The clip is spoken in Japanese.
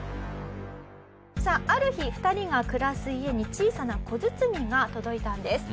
さあある日２人が暮らす家に小さな小包が届いたんです。